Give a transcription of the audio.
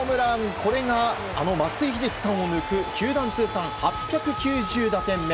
これがあの松井秀喜さんを抜く球団通算８９０打点目。